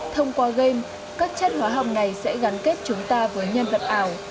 thông qua game các chất hóa học này sẽ gắn kết chúng ta với nhân vật ảo